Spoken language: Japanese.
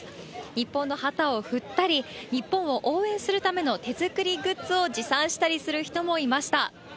日本の旗を振ったり、日本を応援するための手作りグッズを持参したりする人もいました。